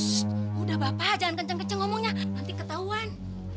shhh udah bapak jangan kenceng kenceng ngomongnya nanti ketahuan